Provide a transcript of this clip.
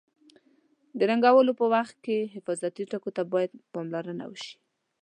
د رنګولو په وخت کې حفاظتي ټکو ته باید پاملرنه وشي.